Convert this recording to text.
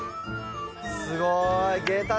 すごい。